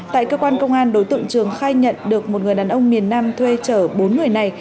tại cơ quan công an đối tượng trường khai nhận được một người đàn ông miền nam thuê chở bốn người này